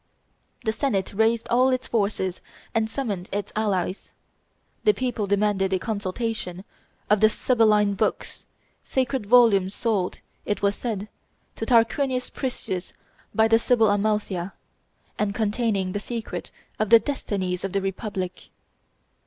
The senate raised all its forces and summoned its allies. The people demanded a consultation of the Sibylline books, sacred volumes sold, it was said, to Tarquinius Priscus by the sibyl Amalthea, and containing the secret of the destinies of the Republic.